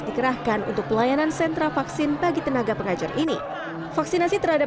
dikerahkan untuk pelayanan sentra vaksin bagi tenaga pengajar ini vaksinasi terhadap